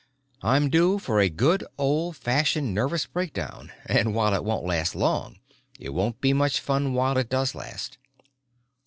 I'm due for a good old fashioned nervous breakdown and while it won't last long it won't be much fun while it does last."